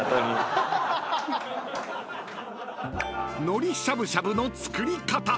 ［のりしゃぶしゃぶの作り方］